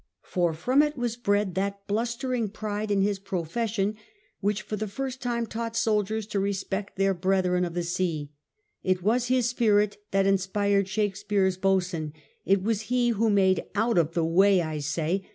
For from it was bred that blustering pride in his profession which for the first time taught soldiers to respect their brethren of the sea; it was his spirit that inspired Shakespeare's Boatswain ; it was he who made " Out of the way, I say